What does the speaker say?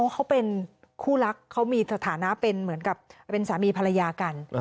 เขาเป็นคู่รักเขามีสถานะเป็นเหมือนกับเป็นสามีภรรยากัน